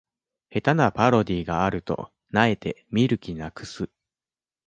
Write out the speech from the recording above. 下手なパロディがあると萎えて見る気なくす